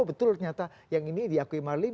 betul ternyata yang ini diakui marlim